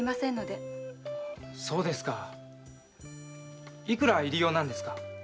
そうですか幾ら入り用なんですか？